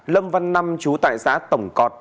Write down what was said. lâm văn năm chú tại xã tổng cọt